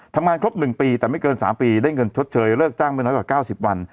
ทำงานครบ๑ปีแต่ไม่เกิน๓ปีได้เงินชดเชยเลิกจ้างไม่น้อยกว่า๙๐วัน